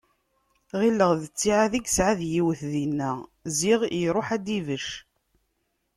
Ɣilleɣ d ttiɛad i yesɛa d yiwet dinna, ziɣ iruḥ ad d-ibecc.